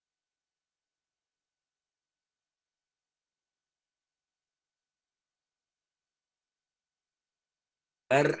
sebentar akan kita bantu dari